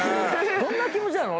どんな気持ちなの？